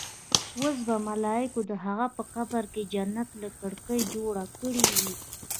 اوس به ملايکو د هغه په قبر کې جنت له کړکۍ جوړ کړې وي.